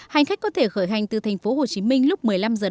hành khách có thể khởi hành từ thành phố hồ chí minh lúc một mươi năm h năm mươi